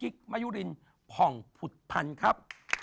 สวัสดีครับ